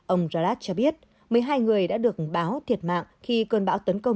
ông jarat cho biết một mươi hai người đã được báo thiệt mạng khi cơn bão tấn công